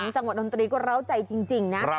จังหวัดดนตรีก็เล้าใจจริงนะ